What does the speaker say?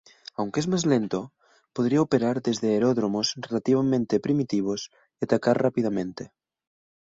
Aunque es más lento, podría operar desde aeródromos relativamente primitivos y atacar rápidamente.